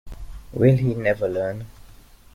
Will he never learn?